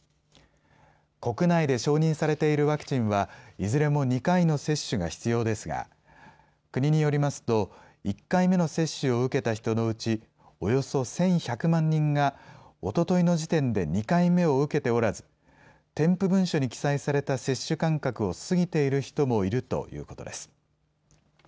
国内で承認されているワクチンはいずれも２回の接種が必要ですが国によりますと１回目の接種を受けた人のうちおよそ１１００万人がおとといの時点で２回目を受けておらず添付文書に記載された接種間隔を過ぎている人もいるということです。